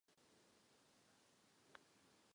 Prosazoval také aktivně celibát pro kněze.